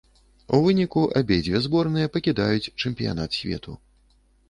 У выніку, абедзве зборныя пакідаюць чэмпіянат свету.